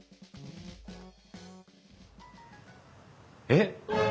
えっ。